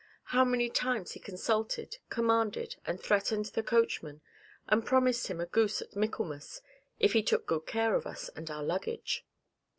How many times he consulted, commanded, and threatened the coachman, and promised him a goose at Michaelmas, if he took good care of us and our luggage!